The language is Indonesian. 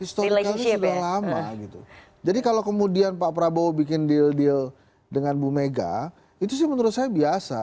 historikal sudah lama gitu jadi kalau kemudian pak prabowo bikin deal deal dengan bu mega itu sih menurut saya biasa